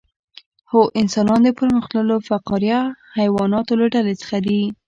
هو انسانان د پرمختللو فقاریه حیواناتو له ډلې څخه دي